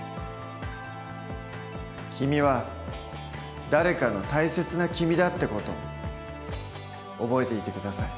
君は誰かの大切な君だって事覚えていて下さい。